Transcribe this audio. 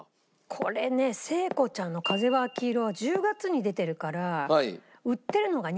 これね聖子ちゃんの『風は秋色』は１０月に出てるから。